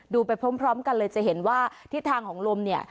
ไปพร้อมกันเลยจะเห็นว่าทิศทางของลมเนี่ย